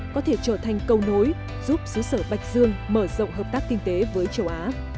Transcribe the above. có thể trở thành cầu nối giúp xứ sở bạch dương mở rộng hợp tác kinh tế với châu á